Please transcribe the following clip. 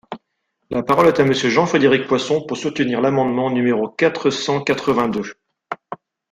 La parole est à Monsieur Jean-Frédéric Poisson, pour soutenir l’amendement numéro quatre cent quatre-vingt-deux.